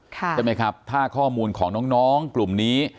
ใช่ไหมครับถ้าข้อมูลของน้องกลุ่มนี้